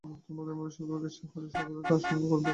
তোমাদের মধ্যে যে সর্বাপেক্ষা সাহসী, সর্বদা তার সঙ্গ করবে।